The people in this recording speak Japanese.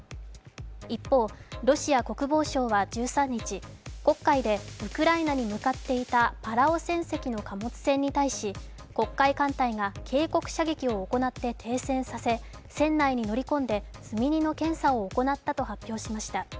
一方、ロシア国防省は１３日、黒海でウクライナに向かっていたパラオ船籍の貨物船に対し黒海艦隊が警告射撃を行って停船させ、船内に乗り込んで積み荷の検査を行ったと発表しました。